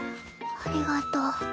ありがとう。